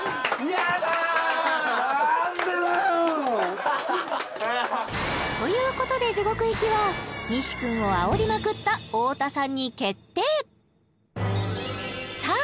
やったー！ということで地獄行きは西君をあおりまくった太田さんに決定さあ